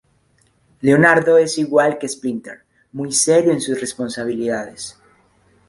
Leonardo es al igual que Splinter, muy serio en sus responsabilidades.